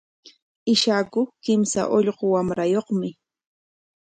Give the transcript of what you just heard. Ishaku kimsa ullqu wamrayuqmi.